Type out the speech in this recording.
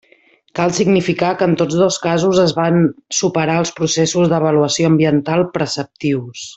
Cal significar que en tots dos casos es van superar els processos d'avaluació ambiental preceptius.